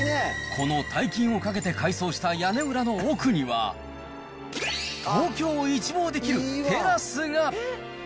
この大金をかけて改装した屋根裏の奥には、東京を一望できるテラスが。